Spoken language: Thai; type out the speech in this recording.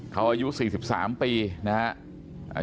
เขาอายุ๔๓ปีนะท่าน